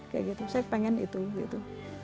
kayak gitu saya pengen itu gitu